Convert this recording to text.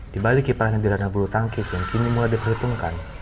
di balik kiprahan gerhana bulu tangkis yang kini mulai diperhitungkan